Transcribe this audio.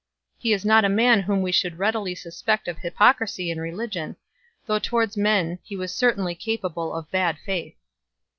He is not a man whom we should readily suspect of hypocrisy in religion, though towards men he was certainly capable of bad faith.